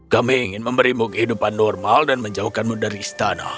kami ingin memberimu kehidupan normal dan menjauhkanmu dari istana